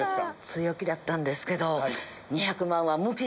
強気だったんですけど。